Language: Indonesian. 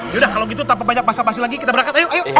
yaudah kalau gitu tanpa banyak pasal pasal lagi kita berangkat ayo